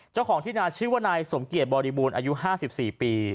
เจ้าของที่นาชื่อว่านายสมเกียจบริบูรณ์อายุ๕๔ปี